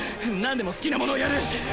何でも好きなものをやる！